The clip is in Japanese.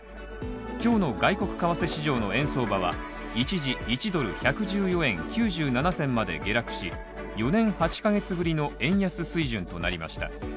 今日の外国為替市場の円相場は一時１ドル１１４円９７銭まで下落し、４年８ヶ月ぶりの円安水準となりました。